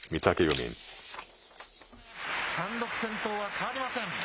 単独先頭は変わりません。